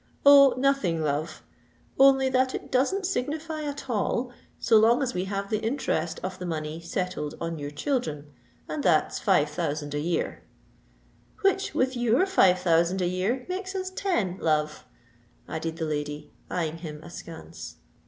"Oh! nothing, love—only that it doesn't signify at all, so long as we have the interest of the money settled on your children—and that's five thousand a year." "Which, with your five thousand a year, makes us ten, love," added the lady, eyeing him askance.